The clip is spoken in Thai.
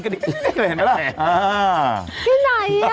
ที่ไหนอ่ะ